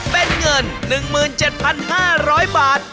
เป็นเงิน๑๗๕๐๐บาท